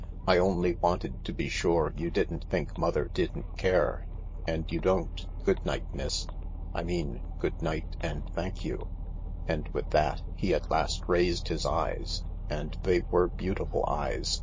" I only wanted to be sure you didn't think mother didn't care. And you don't. Good night, miss — I mean good night and thank you," and with that he at last raised his eyes, and they were beautiful eyes.